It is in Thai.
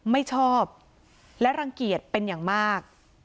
ไม่ชอบและรังเกียจเป็นอย่างมาก